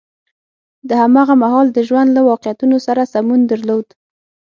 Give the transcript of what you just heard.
د هماغه مهال د ژوند له واقعیتونو سره سمون درلود.